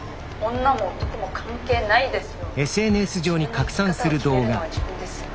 「女も男も関係ないですよ」。